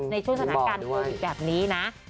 ในช่วงสถานการณ์โควิดแบบนี้นะ